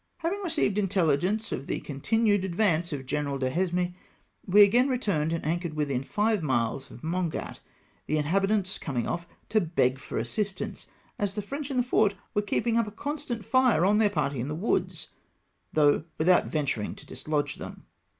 Having received intel hgence of the continued advance of General Duhesme, we again returned, and anchored within five miles of Mongat, the inliabitants coming off to beg for assistance, as the French in the fort were keeping up a constant fire on their party in the woods, though without ventm^ ing to dislodge them.